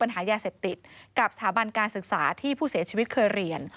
หายาเสพติดกับสถาบันการศึกษาที่ผู้เสียชีวิตเคยเรียน